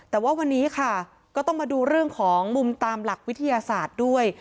แต่ว่าวันนี้ค่ะก็ต้องมาดูเรื่องของมุมตามหลักวิทยาศาสตร์ด้วย